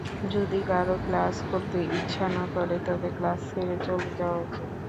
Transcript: যদি কারও ক্লাস করতে ইচ্ছে না হয়, তবে ক্লাস ছেড়ে চলে যাওয়া উচিত।